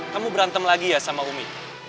kamu berantem lagi ya sama umi